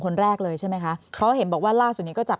คนแรกเลยใช่ไหมคะเพราะเห็นบอกว่าล่าสุดนี้ก็จับ